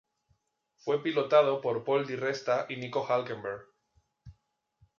Fue pilotado por Paul di Resta y Nico Hülkenberg.